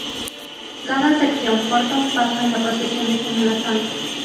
Cada sección porta un paso en la procesión de Semana Santa.